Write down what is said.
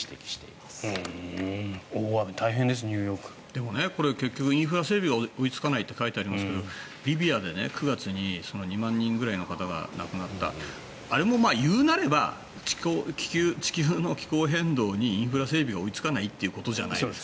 でもこれ、結局インフラ整備が追いつかないと書いていますけどリビアで９月に２万人くらいの方が亡くなったあれも言うなれば地球の気候変動にインフラ整備が追いつかないということじゃないですか。